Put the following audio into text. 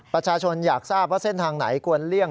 ประชาชนอยากทราบว่าเส้นทางไหนควรเลี่ยง